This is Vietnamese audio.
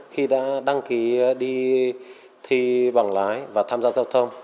khi đã đăng ký đi thi bằng lái và tham gia giao thông